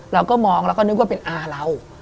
เราก็มองแล้วก็นึกว่าเป็นอาเรา